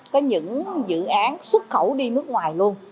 có những dự án xuất khẩu đi nước ngoài luôn